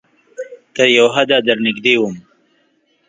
تر یو حده درنږدې وم